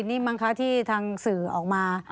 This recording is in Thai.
นี่บ้างครับที่ทางสื่อออกมา